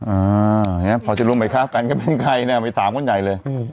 อ๋ออ่าเนี้ยพอจะรู้ไหมคะแฟนก็เป็นใครน่ะมีสามคนใหญ่เลย